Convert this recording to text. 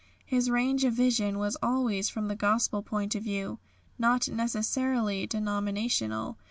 His range of vision was always from the Gospel point of view, not necessarily denominational.